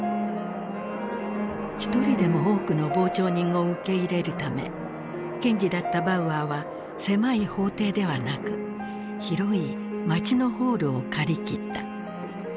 一人でも多くの傍聴人を受け入れるため検事だったバウアーは狭い法廷ではなく広い街のホールを借り切った。